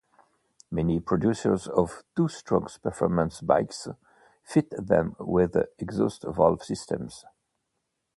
Many producers of two-stroke performance bikes fit them with the exhaust valve systems.